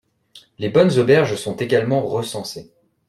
Les bonnes auberges sont également recensées.